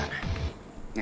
kita juga kesana